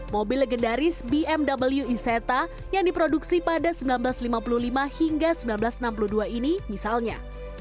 mobil legendaris bmw iseta yang diproduksi pada seribu sembilan ratus lima puluh lima hingga seribu sembilan ratus enam puluh dua ini misalnya